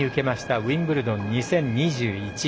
ウィンブルドン２０２１。